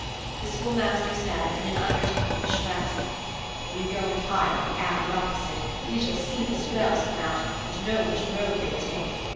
The Schoolmaster said, in an undertone, to the Chouette, "If we go and hide in the alley opposite, we shall see the swells come out, and know which road they take.